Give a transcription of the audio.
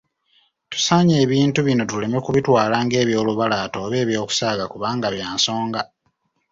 Tusaanye ebintu bino tuleme kubitwala ng'ebyolubalaato oba eby'okusaaga kubanga bya nsonga.